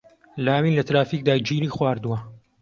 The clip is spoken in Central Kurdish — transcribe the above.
لاوین لە ترافیکدا گیری خواردووە.